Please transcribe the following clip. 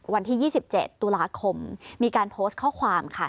วันที่๒๗ตุลาคมมีการโพสต์ข้อความค่ะ